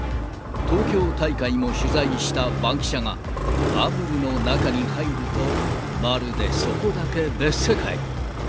東京大会も取材したバンキシャが、バブルの中に入ると、まるでそこだけ別世界。